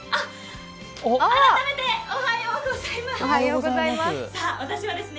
改めて、おはようございます。